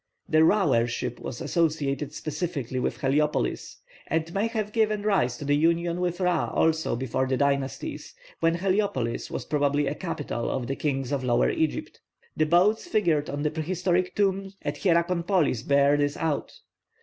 The Ra worship was associated specially with Heliopolis, and may have given rise to the union with Ra also before the dynasties, when Heliopolis was probably a capital of the kings of Lower Egypt. The boats figured on the prehistoric tomb at Hierakonpolis bear this out.